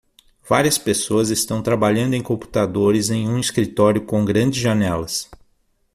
Várias pessoas estão trabalhando em computadores em um escritório com grandes janelas.